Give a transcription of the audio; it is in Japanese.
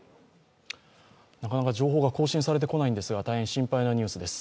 なかなか情報が更新されてこないんですが大変心配なニュースです。